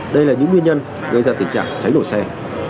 đây là những nguyên nhân gây ra tình trạng cháy nổ xe